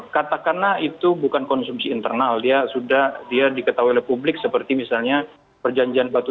katakanlah itu bukan konsumsi internal dia sudah dia diketahui oleh publik seperti misalnya perjanjian batu